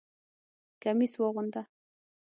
کمیس واغونده!